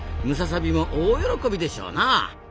ムササビも大喜びでしょうなあ。